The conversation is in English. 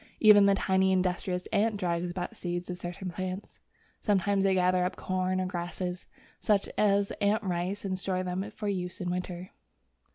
Even the tiny, industrious ant drags about seeds of certain plants. Sometimes they gather up corn or grasses, such as ant rice, and store them for use in winter.